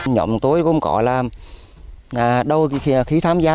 nhóm tôi cũng có là đôi khi tham gia